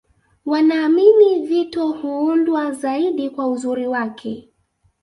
Wanaamini vito huundwa zaidi kwa uzuri wake